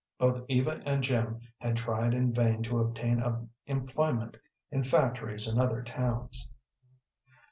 Both Eva and Jim had tried in vain to obtain employment in factories in other towns.